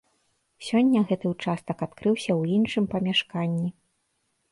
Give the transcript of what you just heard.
Сёння гэты ўчастак адкрыўся ў іншым памяшканні.